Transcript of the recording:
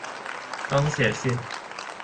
ต้องเสียสิทธิ์